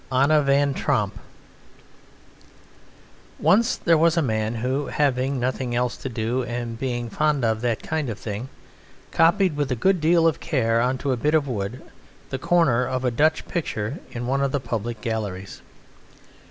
ON A VAN TROMP Once there was a man who, having nothing else to do and being fond of that kind of thing, copied with a good deal of care on to a bit of wood the corner of a Dutch picture in one of the public galleries.